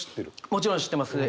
もちろん知ってますね。